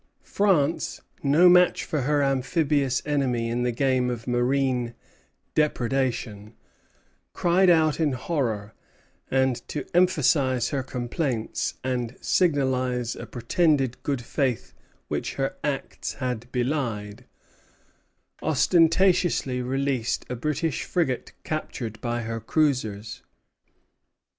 France, no match for her amphibious enemy in the game of marine depredation, cried out in horror; and to emphasize her complaints and signalize a pretended good faith which her acts had belied, ostentatiously released a British frigate captured by her cruisers.